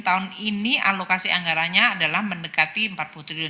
tahun ini alokasi anggarannya adalah mendekati empat puluh triliun